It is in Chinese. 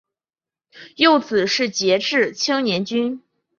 幼子是杰志青年军。